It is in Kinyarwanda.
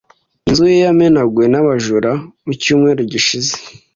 Inzu ye yamenaguwe n’abajura mu cyumweru gishize.